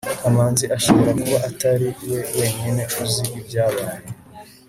kamanzi ashobora kuba atari we wenyine uzi ibyabaye